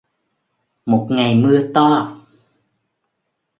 Một ngày mưa to